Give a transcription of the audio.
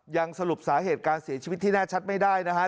ยังสรุปสาเหตุการเสียชีวิตที่แน่ชัดไม่ได้นะฮะ